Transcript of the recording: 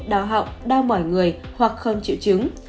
đau họng đau mỏi người hoặc không triệu chứng